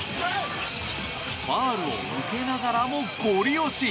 ファウルを受けながらもごり押し。